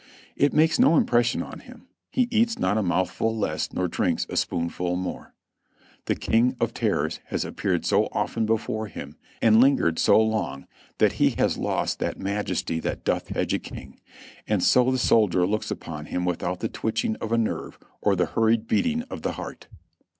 It makes no impression on him; he eats not a mouthful less, nor drinks a spoonful more. The King of Terrors has appeared so often before him and lingered so long that he has lost that "majesty that doth hedge a king;" and so the soldier looks upon him without the twitching of a nerve or the hurried beating of the heart.